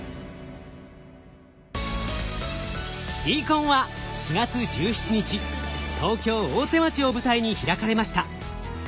ＤＣＯＮは４月１７日東京・大手町を舞台に開かれました。